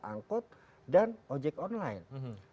angkut dan ojek online